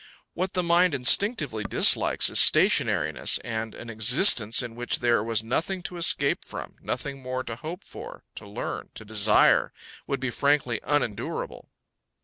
What the mind instinctively dislikes is stationariness; and an existence in which there was nothing to escape from, nothing more to hope for, to learn, to desire, would be frankly unendurable.